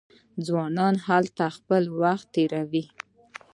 ځوانان هلته خپل وخت تیروي.